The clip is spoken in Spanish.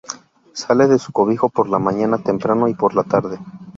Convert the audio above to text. Sale de su cobijo por la mañana temprano y por la tarde.